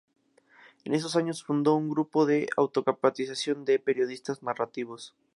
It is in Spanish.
En esos años fundó un grupo de auto-capacitación de periodistas narrativos.